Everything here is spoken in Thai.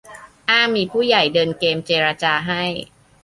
อ้างมีผู้ใหญ่เดินเกมเจรจาให้